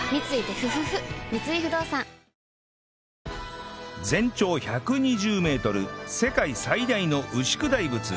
三井不動産全長１２０メートル世界最大の牛久大仏